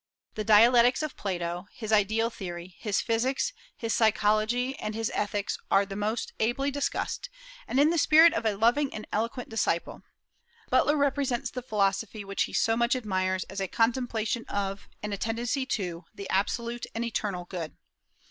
The dialectics of Plato, his ideal theory, his physics, his psychology, and his ethics are most ably discussed, and in the spirit of a loving and eloquent disciple. Butler represents the philosophy which he so much admires as a contemplation of, and a tendency to, the absolute and eternal good.